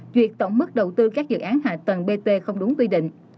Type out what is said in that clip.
duyệt tổng mức đầu tư các dự án hạ tầng bt không đúng quy định